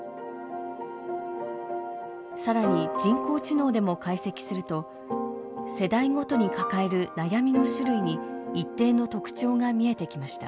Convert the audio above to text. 更に人工知能でも解析すると世代ごとに抱える悩みの種類に一定の特徴が見えてきました。